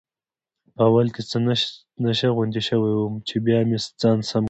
په اول کې څه نشه غوندې شوی وم، چې بیا مې ځان سم کړ.